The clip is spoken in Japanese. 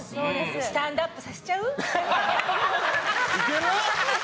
スタンダップさせちゃう？